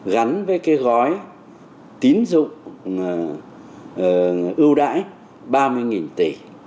gắn với cái gói tín dụng ưu đãi ba mươi tỷ